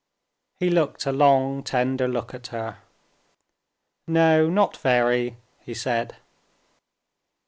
He looked a long, tender look at her. "No, not very," he said.